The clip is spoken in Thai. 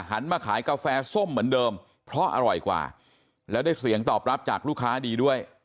มาขายกาแฟส้มเหมือนเดิมเพราะอร่อยกว่าแล้วได้เสียงตอบรับจากลูกค้าดีด้วย